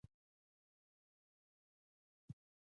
د سیاسي او اقتصادي نابرابرۍ ډېر شواهد ترلاسه شوي